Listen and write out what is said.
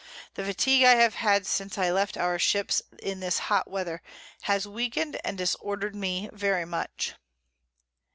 The Fatigue I have had since I left our Ships in this hot Weather has weaken'd and disorder'd me very much.